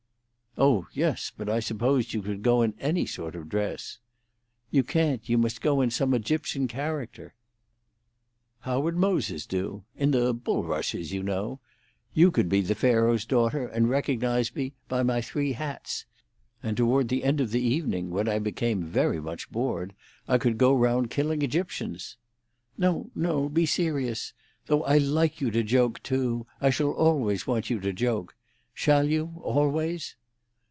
"Oh yes. But I supposed you could go in any sort of dress." "You can't. You must go in some Egyptian character." "How would Moses do? In the bulrushes, you know. You could be Pharaoh's daughter, and recognise me by my three hats. And toward the end of the evening, when I became very much bored, I could go round killing Egyptians." "No, no. Be serious. Though I like you to joke, too. I shall always want you to joke. Shall you, always?"